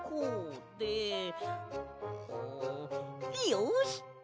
よし！